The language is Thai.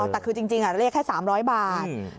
อ๋อแต่คือจริงจริงอ่ะเรียกแค่สามร้อยบาทอืม